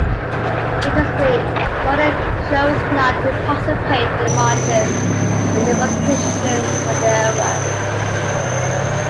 Interestingly, Jordan chose not to participate in the marches and demonstrations of the era.